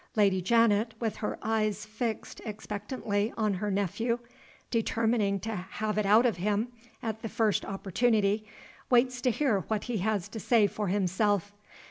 Lady Janet, with her eyes fixed expectantly on her nephew (determining to "have it out of him" at the first opportunity), waits to hear what he has to say for himself.